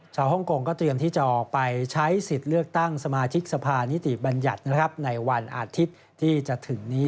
ฮ่องกงก็เตรียมที่จะออกไปใช้สิทธิ์เลือกตั้งสมาชิกสภานิติบัญญัติในวันอาทิตย์ที่จะถึงนี้